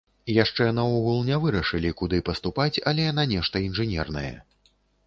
Яшчэ наогул не вырашылі, куды паступаць, але на нешта інжынернае.